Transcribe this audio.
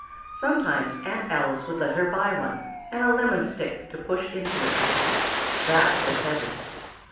Sometimes Aunt Alice would let her buy one, and a lemon stick to push into it. That was heaven.